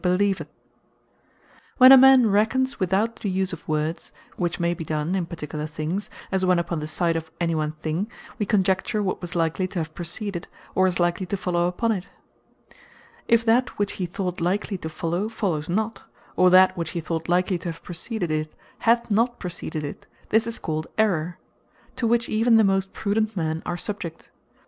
Of Error And Absurdity When a man reckons without the use of words, which may be done in particular things, (as when upon the sight of any one thing, wee conjecture what was likely to have preceded, or is likely to follow upon it;) if that which he thought likely to follow, followes not; or that which he thought likely to have preceded it, hath not preceded it, this is called ERROR; to which even the most prudent men are subject.